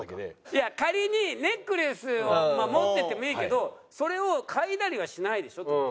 いや仮にネックレスはまあ持っててもいいけどそれを嗅いだりはしないでしょって事。